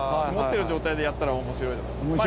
積もってる状態でやったら面白いと思います。